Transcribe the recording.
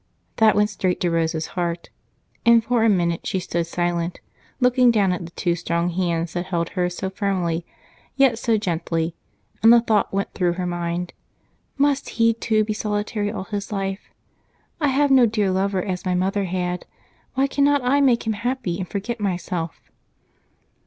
That went straight to Rose's heart, and for a minute she stood silent, looking down at the two strong hands that held hers so firmly yet so gently, and the thought went through her mind, "Must he, too, be solitary all his life? I have no dear lover as my mother had, why cannot I make him happy and forget myself?"